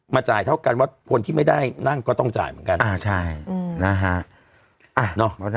จ่ายเท่ากันว่าคนที่ไม่ได้นั่งก็ต้องจ่ายเหมือนกันนะฮะ